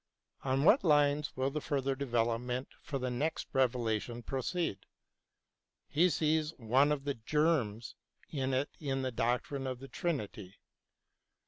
On what lines will the further development for the next revelation proceed ? He sees one of the germs of it in the doctrine of the Trinity.